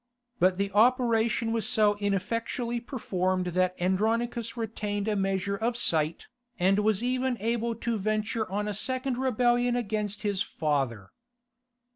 But the operation was so ineffectually performed that Andronicus retained a measure of sight, and was even able to venture on a second rebellion against his father.